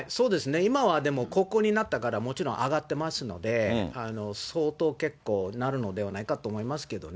今はでも、国王になったから、もちろん上がってますので、相当結構なるのではないかと思いますけどね。